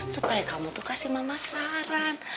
supaya kamu tuh kasih mama saran